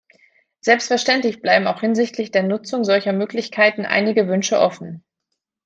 Selbstverständlich bleiben auch hinsichtlich der Nutzung solcher Möglichkeiten einige Wünsche offen.